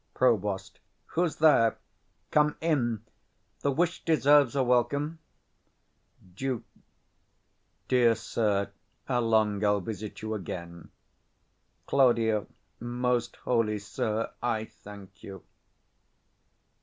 Prov. Who's there? come in: the wish deserves a welcome. 45 Duke. Dear sir, ere long I'll visit you again. Claud. Most holy sir, I thank you.